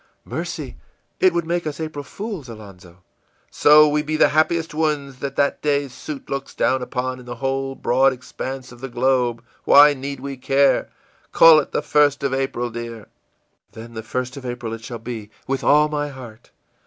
î ìMercy, it would make us April fools, Alonzo!î ìSo we be the happiest ones that that day's suit looks down upon in the whole broad expanse of the globe, why need we care? Call it the 1st of April, dear.î ìThen the 1st of April at shall be, with all my heart!